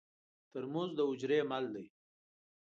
ترموز د حجرې مل دی.